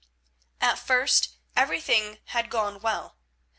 At first everything had gone well.